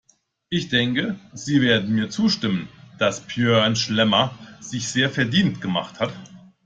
Ich denke, Sie werden mir zustimmen, dass Björn Schlemmer sich sehr verdient gemacht hat.